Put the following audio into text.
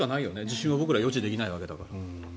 地震は僕らは予知できないわけだから。